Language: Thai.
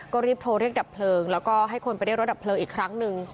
ก็รีบโทรเรียกดับเพลิงแล้วก็ให้คนไปเรียกรถดับเพลิงอีกครั้งหนึ่ง